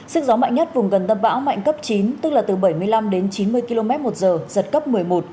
sức gió mạnh nhất vùng gần tâm bão mạnh cấp chín tức là từ bảy mươi năm đến chín mươi km một giờ giật cấp một mươi một